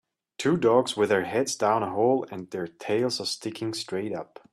Two dogs with their heads down a hole and their tails are sticking straight up.